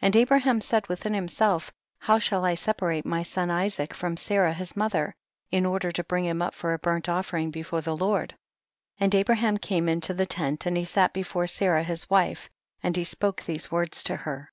3. And Abraham said within him self, how shall I separate my son Isaac from Sarah his mother, in order to bring him up for a burnt offering before the Lord ? 4. And Abraham came into the tent, and he sat before Sarah his wife, and he spoke these words to her.